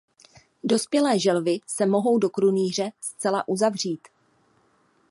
Dospělé želvy se mohou do krunýře zcela uzavřít.